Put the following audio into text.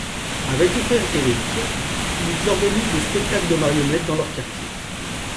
Avec son frère Éric, ils organisent des spectacles de marionnette dans leur quartier.